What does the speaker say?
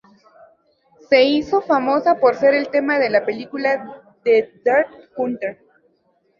Se hizo famosa por ser el tema de la película The Deer Hunter.